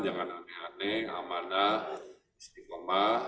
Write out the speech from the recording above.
jangan aneh aneh amanah istiqomah